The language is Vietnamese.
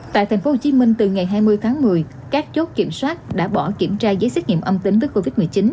tại tp hcm từ ngày hai mươi tháng một mươi các chốt kiểm soát đã bỏ kiểm tra giấy xét nghiệm âm tính với covid một mươi chín